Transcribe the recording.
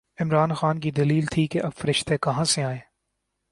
عمران خان کی دلیل تھی کہ اب فرشتے کہاں سے آئیں؟